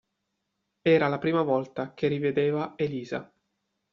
Era la prima volta che rivedeva Elisa.